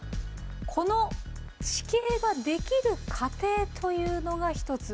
この地形ができる過程というのが一つ。